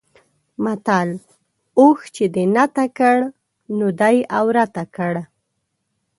متل: اوښ چې دې نته کړ؛ نو دی عورته کړ.